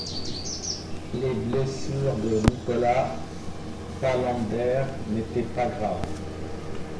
Les blessures de Nicolas Palander n’étaient pas graves.